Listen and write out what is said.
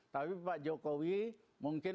tapi pak jokowi mungkin